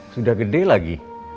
sudah gede lagi